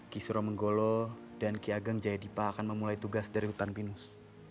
ki suramenggolo dan ki ageng jayadipa akan memulai tugas dari hutan pinus